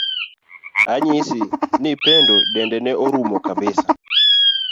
Anyisi ni Pendo ne dende orumo kabisa.